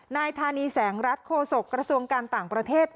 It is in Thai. นายธานีแสงรัฐโฆษกระทรวงการต่างประเทศ